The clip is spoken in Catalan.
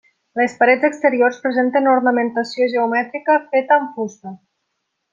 Les parets exteriors presenten ornamentació geomètrica feta amb fusta.